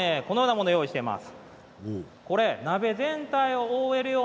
今日はこのようなものを用意しています。